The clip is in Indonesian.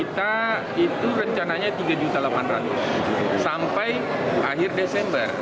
kita itu rencananya rp tiga delapan ratus sampai akhir desember